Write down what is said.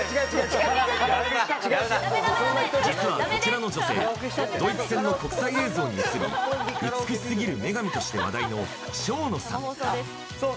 実はこちらの女性ドイツ戦の国際映像に映り美しすぎる女神として話題のＳＨＯＮＯさん。